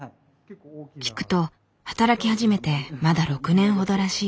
聞くと働き始めてまだ６年ほどらしい。